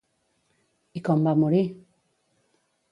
I com va morir?